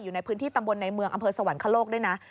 อยู่ในพื้นที่ตำบลในเมืองอำเภอสวรรคโลกด้วยนะ